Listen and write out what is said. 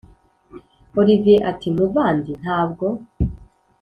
olivier ati”muvandi ntabwo